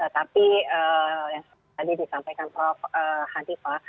tapi yang tadi disampaikan prof hadipa